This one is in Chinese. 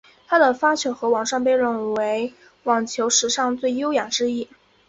他的发球和上网被公认为网球史上最优雅之一。